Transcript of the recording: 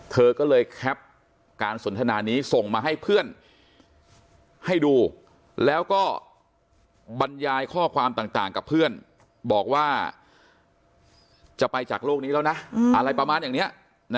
เธอก็เลยแคปการสนทนานี้ส่งมาให้เพื่อนให้ดูแล้วก็บรรยายข้อความต่างกับเพื่อนบอกว่าจะไปจากโลกนี้แล้วนะอะไรประมาณอย่างนี้